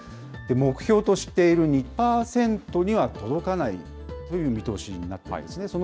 目標としている２％には届かないという見通しになっているんですね。